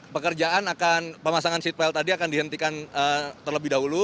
pekerjaan akan pemasangan seatpile tadi akan dihentikan terlebih dahulu